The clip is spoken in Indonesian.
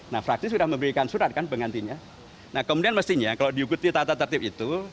nah fraksi sudah memberikan surat kan penggantinya nah kemudian mestinya kalau diikuti tata tertib itu